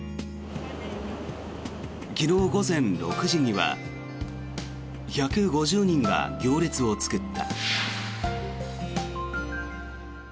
昨日午前６時には１５０人が行列を作った。